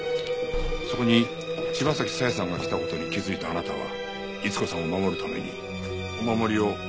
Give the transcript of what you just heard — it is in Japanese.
そこに柴崎佐江さんが来た事に気づいたあなたは逸子さんを守るためにお守りをわざとその場に置いた。